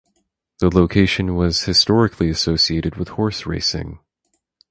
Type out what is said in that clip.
The location was historically associated with horse racing.